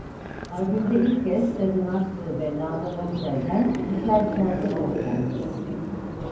Albümde ilk kez Sezen Aksu ve Nazan Öncel'den ikişer şarkı seslendirdi.